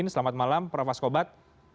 selamat malam prof asko bad